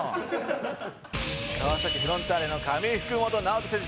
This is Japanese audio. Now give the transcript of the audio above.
「川崎フロンターレの上福元直人選手